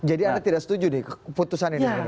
jadi anda tidak setuju deh keputusan ini